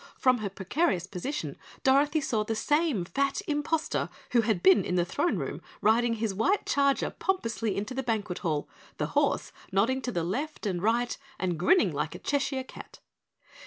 From her precarious position Dorothy saw the same fat imposter who had been in the throne room riding his white charger pompously into the Banquet Hall, the horse nodding to the left and right and grinning like a Cheshire Cat.